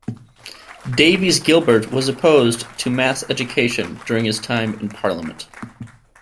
Davies Gilbert was opposed to mass education during his time in parliament.